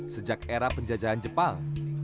sejak era penjajahan jepang